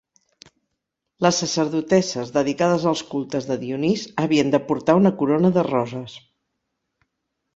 Les sacerdotesses dedicades als cultes de Dionís havien de portar una corona de roses.